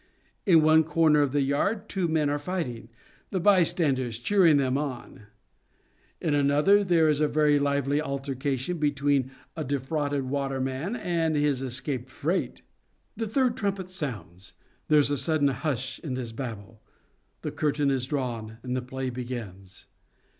In one corner of the yard two men are fighting, the bystanders cheering them on ; in another there is a very lively altercation between a defrauded Waterman and his escaped freight. The third trumpet sounds ; there is a sudden hush in this Babel ; the curtain is drawn, and the play begins.